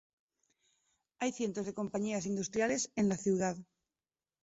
Hay cientos de compañías industriales en la ciudad.